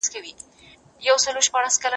زه به د شپې تر ناوخته کتاب ته ناست وم.